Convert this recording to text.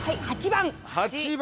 ８番。